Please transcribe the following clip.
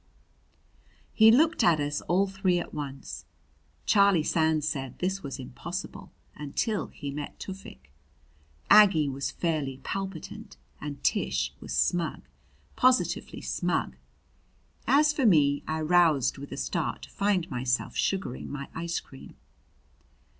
He looked at us all three at once Charlie Sands said this was impossible, until he met Tufik. Aggie was fairly palpitant and Tish was smug, positively smug. As for me, I roused with a start to find myself sugaring my ice cream.